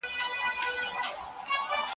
ما د کابل په لرغونو اثارو کې ډېر څه زده کړل.